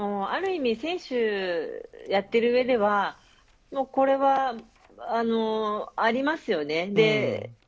ある意味選手をやっているうえではこれはありますよね。